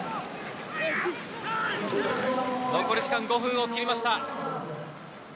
残り時間５分を切りました。